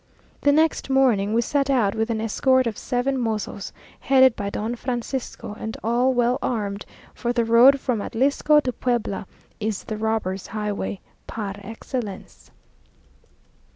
The next morning we set out with an escort of seven mozos, headed by Don Francisco, and all well armed, for the road from Atlisco to Puebla is the robbers' highway, par excellence.